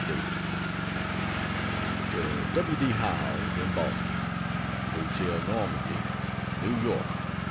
To W. D. Howells, in Boston: HOTEL NORMANDIE NEW YORK, Dec.